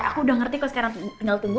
aku udah ngerti kok sekarang tinggal tunggu